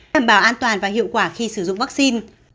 đảm bảo an toàn và hiệu quả khi sử dụng vaccine